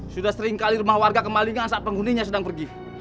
sudah seringkali rumah warga kemalingan saat penghuninya sedang pergi